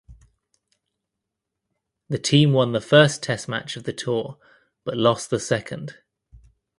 The team won the first test match of the tour but lost the second.